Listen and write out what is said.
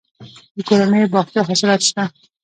د کورنیو باغچو حاصلات شته